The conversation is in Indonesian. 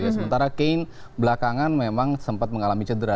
sementara kane belakangan memang sempat mengalami cedera